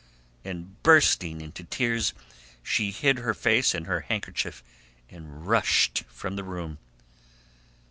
And bursting into tears she hid her face in her handkerchief and rushed from the room.